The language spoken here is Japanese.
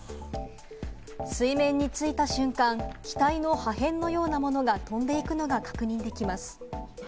水面に着いた瞬間、機体の破片のようなものが飛んでいくのが確認できます。